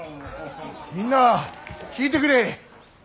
みんな聞いてくれ。